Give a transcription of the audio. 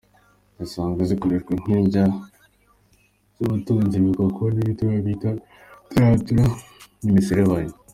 Zisanzwe zikoreshwa nk'indya n'abatunze ibikoko nk'ibitangurigwa bita "tarantula" n'imiserebanyi.